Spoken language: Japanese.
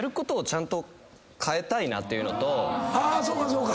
あそうかそうか。